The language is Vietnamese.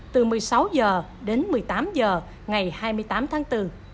từ một mươi sáu h đến một mươi tám h ngày hai mươi tám tháng bốn